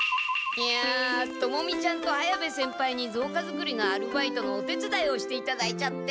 いやトモミちゃんと綾部先輩にぞうか作りのアルバイトのお手つだいをしていただいちゃって。